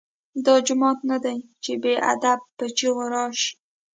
دا جومات نه دی چې بې ادب په چیغو راشې.